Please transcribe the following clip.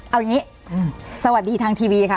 เอาอย่างนี้สวัสดีทางทีวีค่ะ